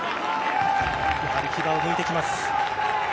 やはり牙をむいてきます。